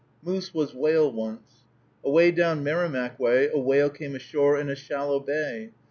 Moose was whale once. Away down Merrimack way, a whale came ashore in a shallow bay.